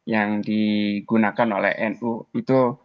yang digunakan oleh nu itu